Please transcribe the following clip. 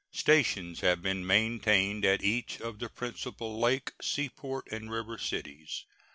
Stations have been maintained at each of the principal lake, seaport, and river cities.